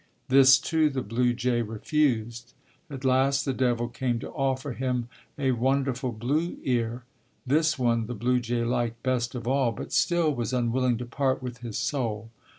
This, too, the blue jay refused. At last the devil came to offer him a wonderful blue ear. This one the blue jay liked best of all, but still was unwilling to part with his soul.